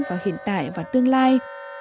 vào hiện tại và tương lai